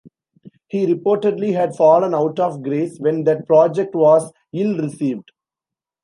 He reportedly had fallen out of grace when that project was ill-received.